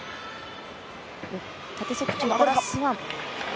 縦側宙からスワン。